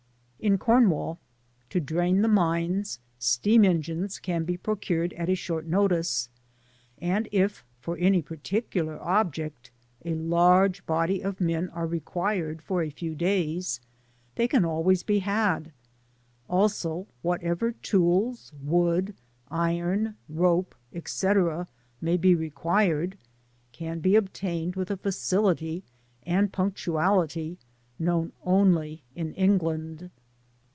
6. In Cornwall, to drain the mines, steam engines can be procured at a short notice, and if, for any particular object, a large body of men are required for a few days, they can always be had ; also what ever tools, wood, iron, rope, &c., may be required, can be obtained with a facility and punctuality known only in England.